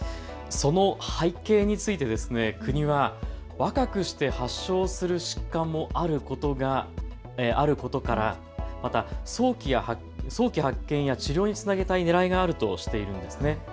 その背景について国は若くして発症する疾患もあることからまた早期発見や治療につなげたいねらいがあるとしているんですね。